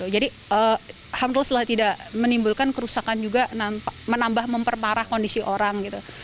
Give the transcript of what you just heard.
jadi harmless lah tidak menimbulkan kerusakan juga menambah memperparah kondisi orang